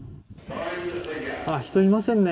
人いませんね。